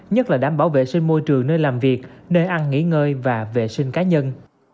nhất là đảm bảo vệ sinh môi trường nơi làm việc nơi ăn nghỉ ngơi và vệ sinh cá nhân